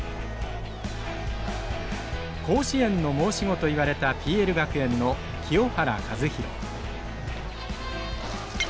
甲子園の申し子といわれたＰＬ学園の清原和博。